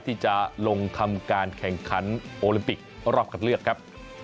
ที่จะลงทำการแข่งขันโอลิมปิกรอบคัดเลือกครับ